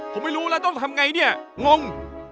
ผมไม่รู้แล้วต้องทำไงเนี่ยงง